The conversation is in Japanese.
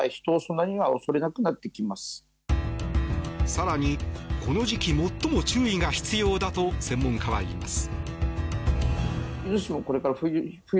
更にこの時期最も注意が必要だと専門家は言います。